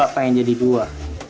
dua pengen jadi dua